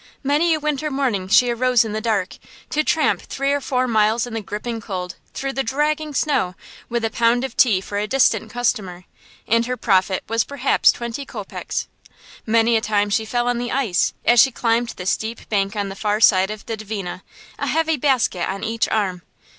Many a winter morning she arose in the dark, to tramp three or four miles in the gripping cold, through the dragging snow, with a pound of tea for a distant customer; and her profit was perhaps twenty kopecks. Many a time she fell on the ice, as she climbed the steep bank on the far side of the Dvina, a heavy basket on each arm.